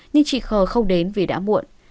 nhưng chị khờ không được